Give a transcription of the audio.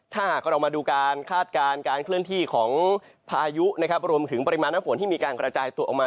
ถ้าหากเรามาดูการคาดการณ์การเคลื่อนที่ของพายุนะครับรวมถึงปริมาณน้ำฝนที่มีการกระจายตัวออกมา